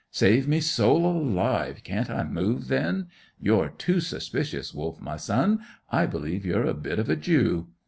Save me soul alive! Can't I move, then? You're too suspicious, Wolf, my son. I believe you're a bit of a Jew."